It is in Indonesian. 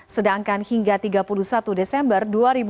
sedangkan hingga tiga puluh satu desember dua ribu dua puluh